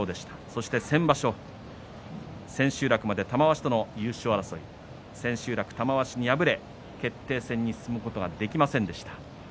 そして先場所千秋楽で玉鷲との優勝争い千秋楽、玉鷲に敗れて決定戦に進むことができませんでした。